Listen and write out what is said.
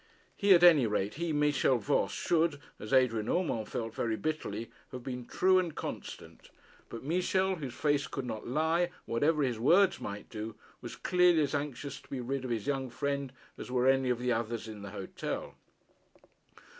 He, at any rate, he, Michel Voss, should, as Adrian Urmand felt very bitterly, have been true and constant; but Michel, whose face could not lie, whatever his words might do, was clearly as anxious to be rid of his young friend as were any of the others in the hotel.